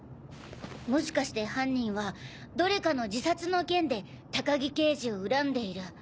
もしかして犯人はどれかの自殺の件で高木刑事を恨んでいる。